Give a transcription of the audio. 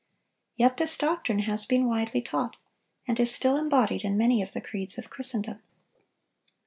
Yet this doctrine has been widely taught, and is still embodied in many of the creeds of Christendom.